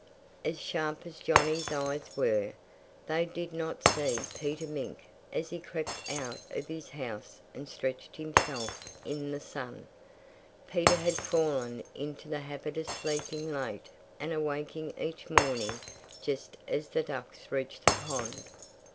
As sharp as Johnnie's eyes were, they did not see Peter Mink as he crept out of his house and stretched himself in the sun. Peter had fallen into the habit of sleeping late and awaking each morning just as the ducks reached the pond.